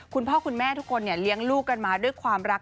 คุณพ่อคุณแม่ทุกคนเลี้ยงลูกกันมาด้วยความรัก